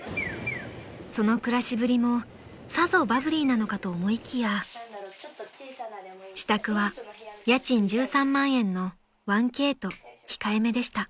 ［その暮らしぶりもさぞバブリーなのかと思いきや自宅は家賃１３万円の１Ｋと控えめでした］